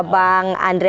kemudian ada bang andresa